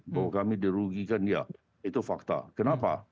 bahwa kami dirugikan ya itu fakta kenapa